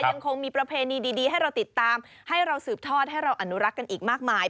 ยังคงมีประเพณีดีให้เราติดตามให้เราสืบทอดให้เราอนุรักษ์กันอีกมากมาย